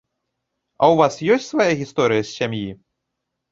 А ў вас ёсць свая гісторыя з сям'і?